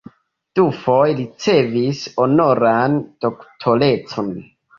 Dufoje ricevis honoran doktorecon.